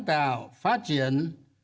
tạo phát triển